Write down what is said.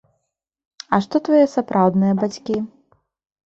А што твае сапраўдныя бацькі?